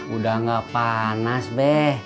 udah gak panas be